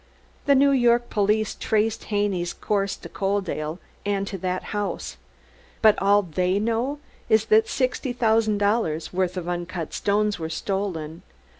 The New York police traced Haney's course to Coaldale and to that house. But all they know is that sixty thousand dollars' worth of uncut stones were stolen.